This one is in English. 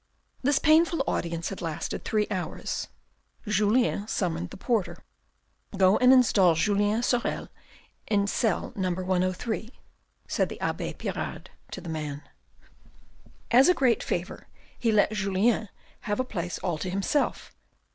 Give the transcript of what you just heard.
This painful audience had lasted three hours. Julien summoned the porter. " Go and install Julien Sorel in cell No. 103," said the abbe Pirard to the man. As a great favour he let Julien have a place all to himself.